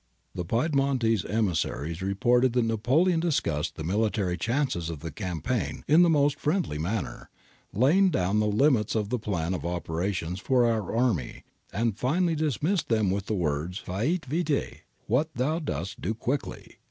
The Piedmontese emis saries reported that Napoleon discussed the mihtary chances of the campaign in the most friendly manner, 'laying down the limits of the plan of operations for our arm^',' and finally dismissed them with the words, * Faites vite' — what thou doest do quickly.